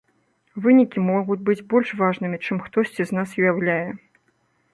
Вынікі могуць быць больш важнымі, чым хтосьці з нас уяўляе.